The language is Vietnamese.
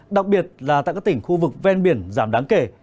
đặc biệt là tại các tỉnh khu vực ven biển giảm đáng kể